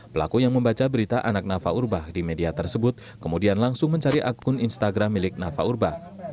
pelaku yang membaca berita anak nafa urbah di media tersebut kemudian langsung mencari akun instagram milik nafa urbah